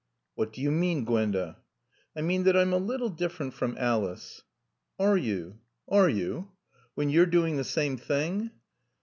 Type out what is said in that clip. "What do you mean, Gwenda?" "I mean that I'm a little different from Alice." "Are you? Are you? When you're doing the same thing?"